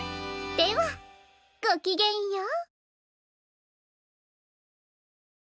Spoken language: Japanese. ではごきげんよう。